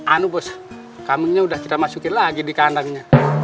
anu bos kambingnya sudah kita masukin lagi di kandangnya